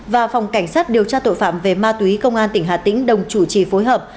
và phòng cảnh sát điều tra tội phạm về ma túy công an tỉnh hà tĩnh đồng chủ trì phối hợp